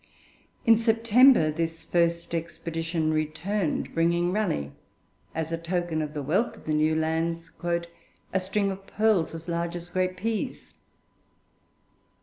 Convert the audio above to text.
In September this first expedition returned, bringing Raleigh, as a token of the wealth of the new lands, 'a string of pearls as large as great peas.'